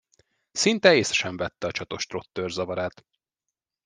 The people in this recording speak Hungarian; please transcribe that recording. Szinte észre sem vette a csatos trottőr zavarát.